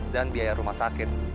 dan biaya rumah sakit